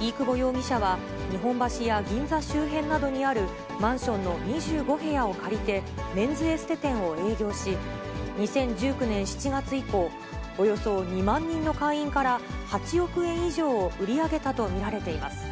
飯窪容疑者は日本橋や銀座周辺などにある、マンションの２５部屋を借りて、メンズエステ店を営業し、２０１９年７月以降、およそ２万人の会員から、８億円以上を売り上げたと見られています。